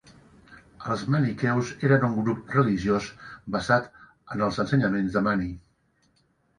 Els maniqueus eren un grup religiós basat en els ensenyaments de Mani.